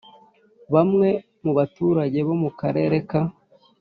bamwe mubaturage bo mukarere ka